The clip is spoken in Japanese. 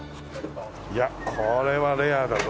いやこれはレアだぞ。